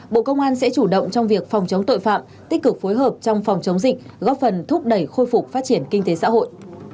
bộ công an sẽ chủ động trong việc phòng chống tội phạm tích cực phối hợp trong phòng chống dịch góp phần thúc đẩy khôi phục phát triển kinh tế xã hội